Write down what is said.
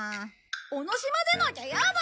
尾の島でなきゃやだ！